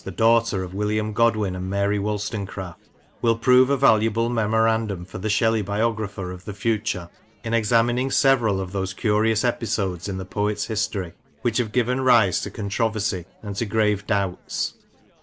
25 the daughter of William Godwin and Mary Wollstone craft, will prove a valuable memorandum for the Shelley biographer of the future in examining several of those curious episodes in the poet's history which have given rise to controversy and to grave doubts.